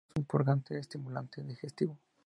El berro es un purgante, estimulante digestivo.